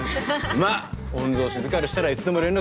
まっ御曹司疲れしたらいつでも連絡しろよ。